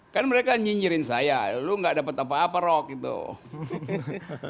kan mereka nyinyirin saya lu gak dapet apa apa rocky tuh